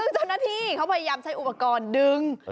จ้ะหน้าที้เขาพยายามใช้อุปกรณ์